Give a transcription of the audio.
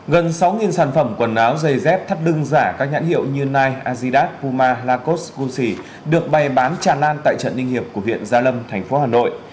gần sáu sản phẩm quần áo giày dép thắt đưng giả các nhãn hiệu như nike adidas puma lacoste gucci được bày bán tràn lan tại trận ninh hiệp của viện gia lâm thành phố hà nội